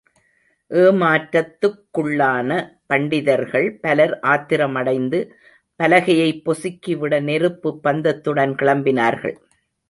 ஏமாற்றத்துக்குள்ளான பண்டிதர்கள் பலர் ஆத்திரமடைந்து, பலகையைப் பொசுக்கிவிட நெருப்புப் பந்தத்துடன் கிளம்பினார்கள்.